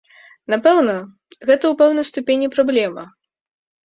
Напэўна, гэта ў пэўнай ступені праблема.